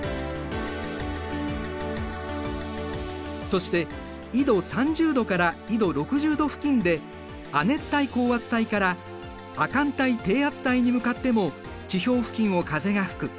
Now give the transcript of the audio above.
そして緯度３０度から緯度６０度付近で亜熱帯高圧帯から亜寒帯低圧帯に向かっても地表付近を風が吹く。